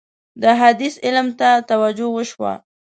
د حدیث علم ته توجه وشوه.